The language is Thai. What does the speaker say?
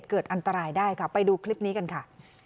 คลิปนี้กันค่ะ